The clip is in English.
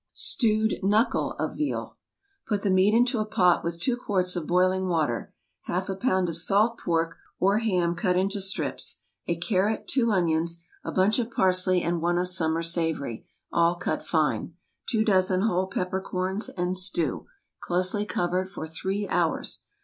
STEWED KNUCKLE OF VEAL. Put the meat into a pot with two quarts of boiling water, half a pound of salt pork or ham cut into strips, a carrot, two onions, a bunch of parsley and one of summer savory—all cut fine—two dozen whole pepper corns, and stew, closely covered, for three hours.